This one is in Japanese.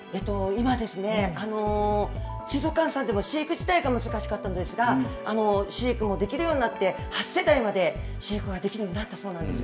今ですね、水族館さんでも飼育自体が難しかったんですが、飼育もできるようになって、まで飼育ができるようになったそうなんです。